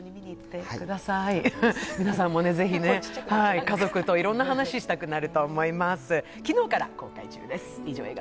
皆さんも是非、家族といろんな話をしたくなると思います。